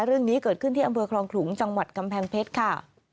เรื่องนี้เกิดขึ้นที่อำเภอคลองขลุงจังหวัดกำแพงเพชรค่ะ